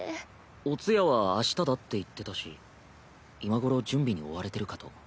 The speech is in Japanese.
お通夜は明日だって言ってたし今頃準備に追われてるかと。